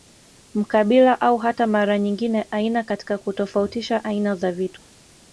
Mkabila au hata mara nyingine aina katika kutofautisha aina za vitu